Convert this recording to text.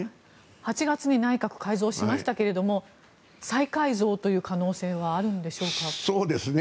８月に内閣改造しましたが再改造という可能性はあるんでしょうか。